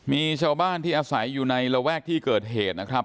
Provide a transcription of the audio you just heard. มีชาวบ้านที่อาศัยอยู่ในระแวกที่เกิดเหตุนะครับ